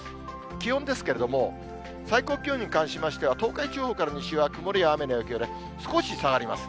気温ですけれども、最高気温に関しましては、東海地方から西は、曇りや雨の影響で少し下がります。